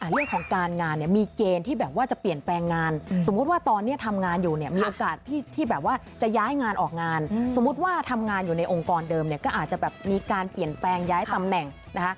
เรื่องของการงานเนี่ยมีเกณฑ์ที่แบบว่าจะเปลี่ยนแปลงงานสมมุติว่าตอนนี้ทำงานอยู่เนี่ยมีโอกาสที่แบบว่าจะย้ายงานออกงานสมมุติว่าทำงานอยู่ในองค์กรเดิมเนี่ยก็อาจจะแบบมีการเปลี่ยนแปลงย้ายตำแหน่งนะคะ